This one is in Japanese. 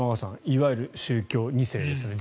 いわゆる宗教２世ですね。